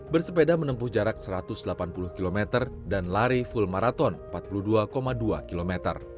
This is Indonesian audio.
bersepeda menempuh jarak satu ratus delapan puluh km dan lari full marathon empat puluh dua dua km